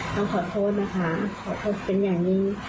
ต้องขอโทษนะคะขอโทษเป็นอย่างยิ่ง